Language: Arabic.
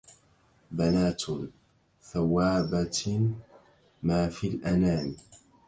بنات ثوابة ما في الأنام